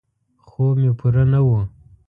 خوب مې پوره نه و.